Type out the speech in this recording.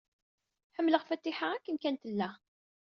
Ḥemmleɣ Fatiḥa akken kan tella.